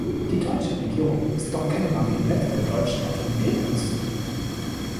Die deutsche Regierung ist doch keine Marionette der deutschen Automobilindustrie.